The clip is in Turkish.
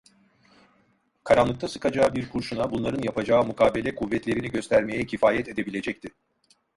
Karanlıkta sıkacağı bir kurşuna bunların yapacağı mukabele kuvvetlerini göstermeye kifayet edebilecekti.